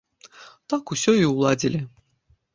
Так усё і ўладзілі.